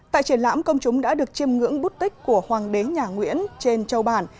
tại triển lãm công chúng đã được chiêm ngưỡng bút tích của hoàng đế nhà nguyễn trên châu bản